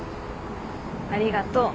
ありがとう。